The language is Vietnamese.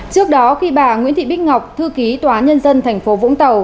trước đó khi bà nguyễn thị bích ngọc thư ký tòa nhân dân tp vũng tàu